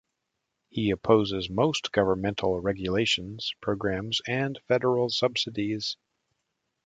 He opposes most governmental regulations, programs, and federal subsidies.